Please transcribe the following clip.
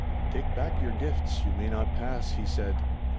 ^^Take back your gifts, you may not pass/' he said.